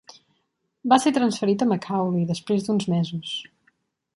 Va ser transferit a McAuley després d'uns mesos.